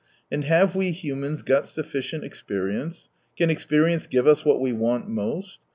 And have we humans got sufficient experience ? Can experience give us what we want most